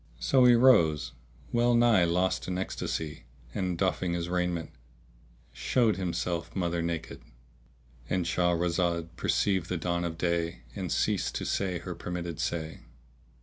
So he rose, well nigh lost in ecstasy and, doffing his raiment, showed himself mother naked.—And Shahrazad perceived the dawn of day and ceased to say her permitted say.